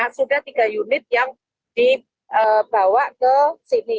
sudah tiga unit yang dibawa ke sini